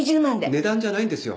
値段じゃないんですよ。